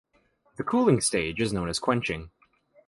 The cooling stage is known as quenching.